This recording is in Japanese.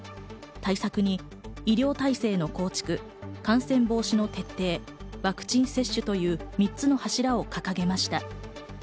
対策に医療体制の構築、感染防止の徹底、ワクチン接種という３つの柱を掲げました。